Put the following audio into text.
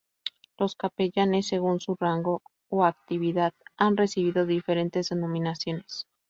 Los capellanes según su rango o actividad han recibido diferentes denominaciones.